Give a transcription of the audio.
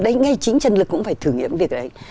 đấy ngay chính trần lực cũng phải thử nghiệm việc đấy